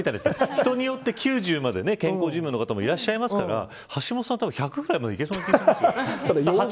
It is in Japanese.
人によって９０まで健康寿命の方もいらっしゃいますから橋下さんは、たぶん１００ぐらいまで、いきそうですよ。